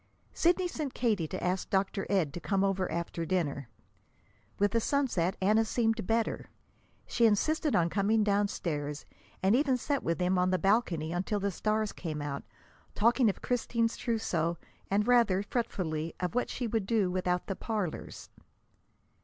Sidney sent Katie to ask Dr. Ed to come over after dinner. With the sunset Anna seemed better. She insisted on coming downstairs, and even sat with them on the balcony until the stars came out, talking of Christine's trousseau, and, rather fretfully, of what she would do without the parlors.